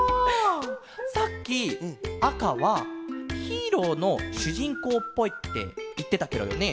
さっき「あかはヒーローのしゅじんこうっぽい」っていってたケロよね？